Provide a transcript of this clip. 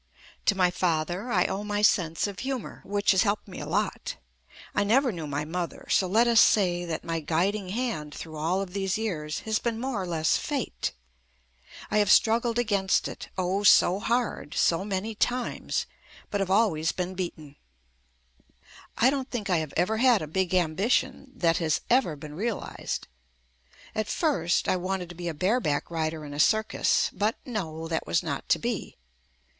To my father, I owe my sense of humour, which has helped me a lot. I never knew my mother, so let us say that my guiding hand through all of these years has been more or less JUST ME "fate." I have struggled against it, oh, so hard, so many times, but have always been beaten. I don't think I have ever had a big ambition that has ever been realized. At first, I wanted to be a bareback rider in a circus, but, no, that was not to be.